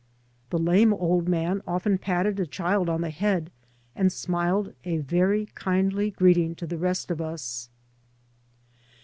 The lame old man often patted a child on the head, and smiled a very kindly greeting to the rest of us.